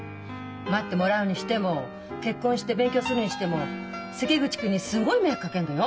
待ってもらうにしても結婚して勉強するにしても関口君にすごい迷惑かけるのよ。